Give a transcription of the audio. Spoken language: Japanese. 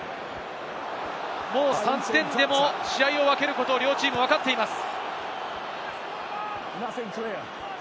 もう３点でも試合を分けることを両チームともわかっています。